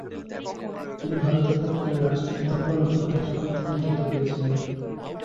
তিনি ভারতের তৎকালীন রাষ্ট্রপতি প্রণব মুখার্জী কর্তৃক নিযুক্ত হয়েছিলেন।